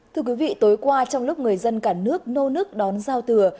thưa quý vị tối qua trong lúc người dân cả nước nô nức đón giao thừa